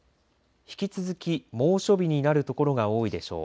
引き続き、猛暑日になる所が多いでしょう。